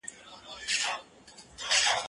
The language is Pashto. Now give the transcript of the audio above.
هغه وويل چي انځورونه مهم دي؟!